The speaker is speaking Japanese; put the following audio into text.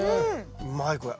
うまいこれ。